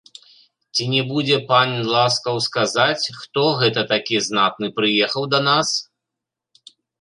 Ці не будзе пан ласкаў сказаць, хто гэта такі знатны прыехаў да нас?